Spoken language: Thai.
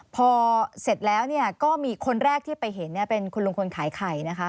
พอเสร็จแล้วก็มีคนแรกที่ไปเห็นเนี่ยเป็นคุณลุงคนขายไข่นะคะ